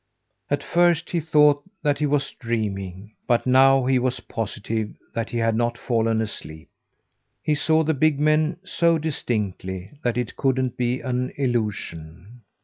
At first he thought that he was dreaming, but now he was positive that he had not fallen asleep. He saw the big men so distinctly that it couldn't be an illusion.